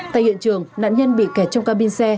tại hiện trường nạn nhân bị kẹt trong ca bin xe